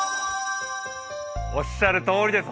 おっしゃるとおりです。